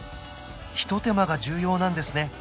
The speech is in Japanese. ひと手間が重要なんですね